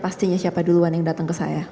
pastinya siapa duluan yang datang ke saya